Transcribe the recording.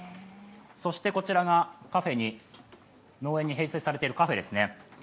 そしてこちらが、農園に併設されているカフェですね。